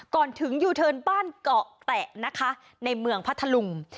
ก่อนถึงยูเทิร์นบ้านเกาะแตะนะคะในเมืองพัทธลุง